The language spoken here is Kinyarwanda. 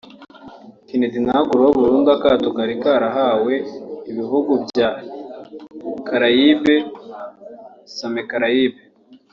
Kennedy nawe akuraho burundu akato kari karahawe ibihugu bya Caraibe (Soma Karayibe)